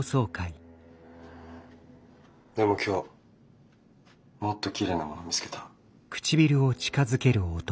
でも今日もっときれいなもの見つけた。